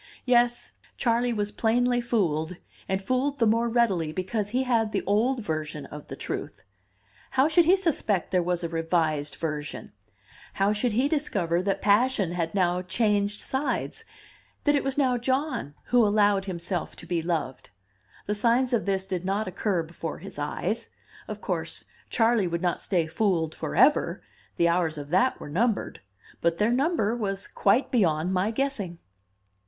Yes, Charley was plainly fooled, and fooled the more readily because he had the old version of the truth. How should he suspect there was a revised version? How should he discover that passion had now changed sides, that it was now John who allowed himself to be loved? The signs of this did not occur before his eyes. Of course, Charley would not stay fooled forever; the hours of that were numbered, but their number was quite beyond my guessing!